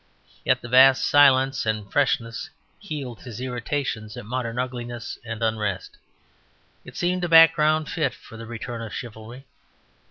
Yet the vast silence and freshness healed his irritation at modern ugliness and unrest. It seemed a background fit for the return of chivalry.